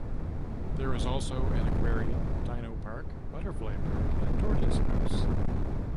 There is also an aquarium, dino park, butterfly park and tortoise house.